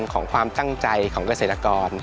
ของความตั้งใจของเกษตรกร